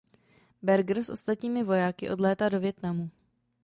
Berger s ostatními vojáky odlétá do Vietnamu.